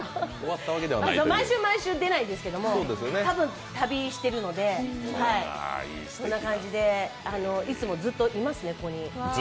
毎週毎週出ないですけど、多分旅してるので、そんな感じで、いつもずっとここにいますね。